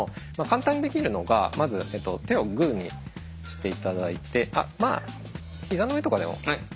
簡単にできるのがまず手をグーにして頂いて膝の上とかでもいいです。